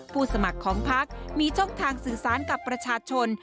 สมัครของพักมีช่องทางสื่อสารกับประชาชน